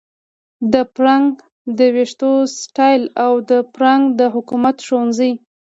د فرانک د ویښتو سټایل او د فرانک د حکمت ښوونځي